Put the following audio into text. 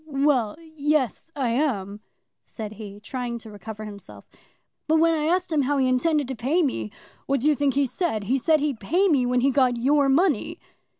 "Well; yes, I am," said he, trying to recover himself. "But when I asked him how he intended to pay me, what do you think he said? He said he'd pay me when he got your money."